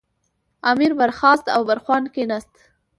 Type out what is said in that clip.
امیر برخاست او برخوان کېناست.